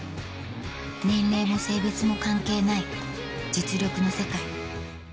年齢も性別も関係ない実力の世界